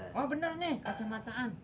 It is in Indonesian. oh bener nih kacamataan